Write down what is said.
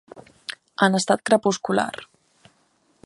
En estat crepuscular.